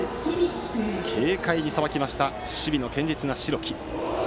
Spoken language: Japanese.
軽快にさばいた守備の堅実な白木。